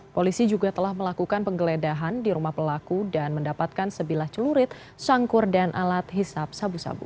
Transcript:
polisi juga telah melakukan penggeledahan di rumah pelaku dan mendapatkan sebilah celurit sangkur dan alat hisap sabu sabu